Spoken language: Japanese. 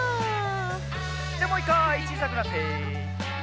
じゃもう１かいちいさくなって。